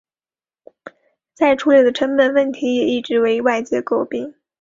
再处理的成本问题也一直为外界诟病。